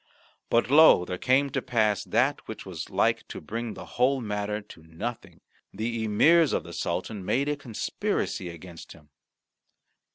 But lo! there came to pass that which was like to bring the whole matter to nothing. The emirs of the Sultan made a conspiracy against him.